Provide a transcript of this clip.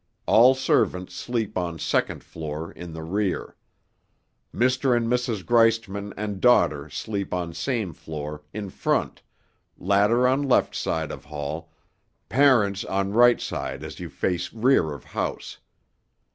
All servants sleep on second floor, in the rear. Mr. and Mrs. Greistman and daughter sleep on same floor, in front, latter on left side of hall, parents on right side as you face rear of house.